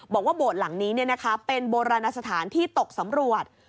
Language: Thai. บอกว่าโบรตหลังนี้เป็นโบราณสถานที่ตกสำรวจ